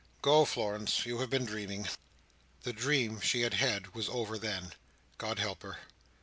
Go, Florence. You have been dreaming." The dream she had had, was over then, God help her!